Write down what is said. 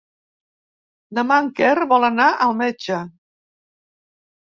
Demà en Quer vol anar al metge.